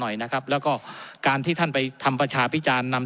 หน่อยนะครับแล้วก็การที่ท่านไปทำประชาพิจารณ์นำ